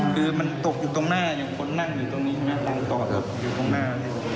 คือมันตกอยู่ตรงหน้าอย่างคนนั่งอยู่ตรงนี้ใช่ไหมรังกอดครับอยู่ตรงหน้า